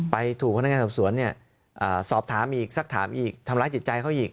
ถูกพนักงานสอบสวนสอบถามอีกสักถามอีกทำร้ายจิตใจเขาอีก